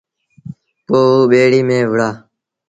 پوء او ٻيڙيٚ ميݩ وهُڙآ